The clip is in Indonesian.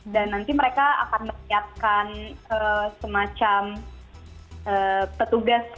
dan nanti mereka akan menyediakan semacam petugas